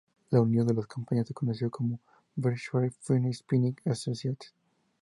La unión de las compañías se conoció como Berkshire Fine Spinning Associates.